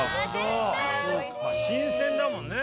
新鮮だもんね。